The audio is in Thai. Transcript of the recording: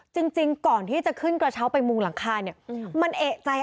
จริงจริงก่อนที่จะขึ้นกระเช้าไปมุมหลังคามันเอ๊ะใจ